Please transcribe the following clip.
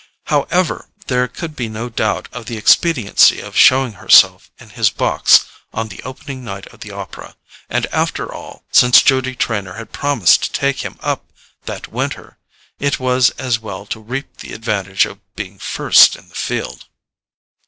However, there could be no doubt of the expediency of showing herself in his box on the opening night of the opera; and after all, since Judy Trenor had promised to take him up that winter, it was as well to reap the advantage of being first in the field.